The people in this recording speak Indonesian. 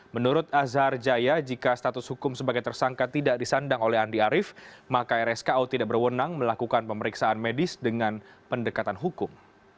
menurut azhar jaya jika status hukum sebagai tersangka tidak disandang oleh andi arief maka rsko tidak berwenang melakukan pemeriksaan medis dengan pendekatan hukum